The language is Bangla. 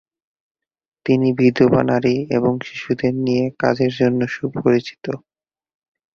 তিনি বিধবা নারী এবং শিশুদের নিয়ে কাজের জন্য সুপরিচিত।